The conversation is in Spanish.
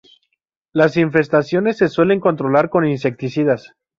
Las infestaciones se suelen controlar con insecticidas.